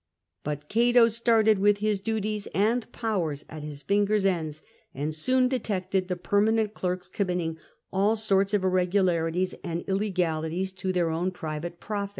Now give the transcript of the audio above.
But Cato started with his duties and powers at his fingei' ends, and soon detected the permanent clerks committing all sorts of irregularities and illegalities, to tlieir own private profit.